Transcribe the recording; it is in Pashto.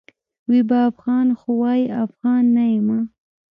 وي به افغان؛ خو وايي افغان نه یمه